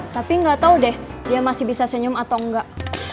tapi nggak tahu deh dia masih bisa senyum atau enggak